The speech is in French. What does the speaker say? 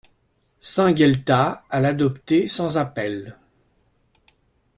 Saint-Gueltas à l'adopter sans appel.